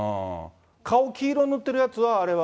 顔黄色塗ってるやつは、あれは？